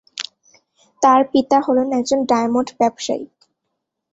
তাঁর পিতা হলেন একজন ডায়মন্ড ব্যবসায়ী।